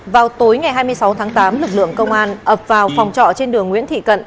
vào tối ngày hai mươi sáu tháng tám lực lượng công an ập vào phòng trọ trên đường nguyễn thị cận